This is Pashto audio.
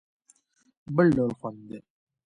بل ډول خوند دی.